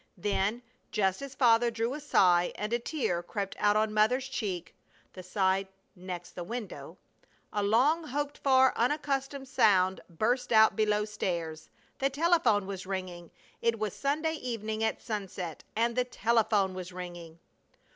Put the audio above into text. Then, just as Father drew a sigh, and a tear crept out on Mother's cheek (the side next the window), a long hoped for, unaccustomed sound burst out below stairs! The telephone was ringing! It was Sunday evening at sunset, and the telephone was ringing!